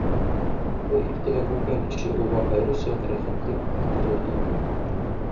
Был иртәлә күнгән эше уға айырыуса рәхәтлек килтерә ине.